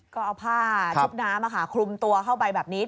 ก็เอาผ้าชุบน้ำคลุมตัวเข้าไปแบบนี้